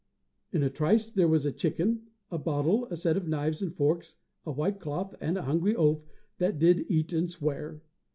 In a trice there was a chicken, a bottle, a set of knives and forks, a white cloth, and a hungry oaf that did eat and swear!